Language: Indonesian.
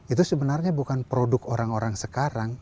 itu sebenarnya bukan produk orang orang sekarang